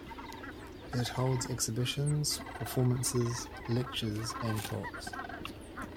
It holds exhibitions, performances, lectures and talks.